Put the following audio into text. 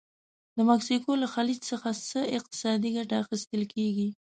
د مکسیکو له خلیج څخه څه اقتصادي ګټه اخیستل کیږي؟